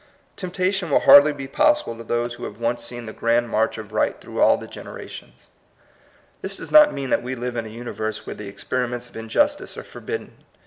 Temptation will hardly be possible to those who have once seen TBE DIVINS UNIVERSE. bl the grand march of right through all the generations. This does not mean that we live in a universe where the experiments of injustice are forbidden.